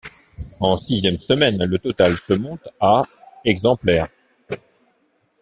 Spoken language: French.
En sixième semaine, le total se monte à exemplaires.